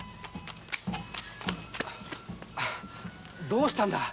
どうしたんだ？